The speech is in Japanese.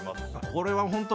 これは本当